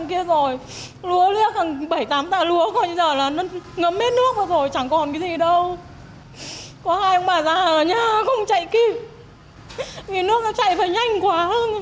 có hai ông bà già ở nhà không chạy kìm vì nước nó chạy phải nhanh quá